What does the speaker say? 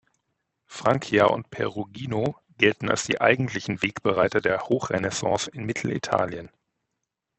Francia und Perugino gelten als die eigentlichen Wegbereiter der Hochrenaissance in Mittelitalien.